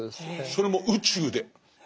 それも宇宙で。